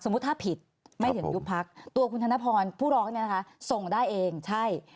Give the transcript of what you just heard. สมมุติถ้าผิดไม่ถึงยุบพรรคตัวคุณธนทรผู้ร้องนี้ส่งได้เองใช่